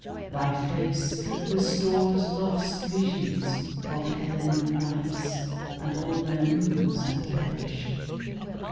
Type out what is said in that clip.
Thy face Restores lost visions of Hellenic nights And all their moons that perished.